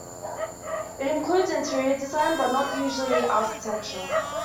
It includes interior design, but not usually architecture.